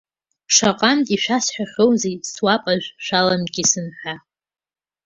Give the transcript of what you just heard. Шаҟантә ишәасҳәахьоузеи, суапыжә шәаламкьысын ҳәа!